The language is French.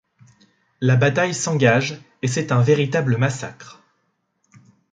La bataille s’engage, et c’est un véritable massacre.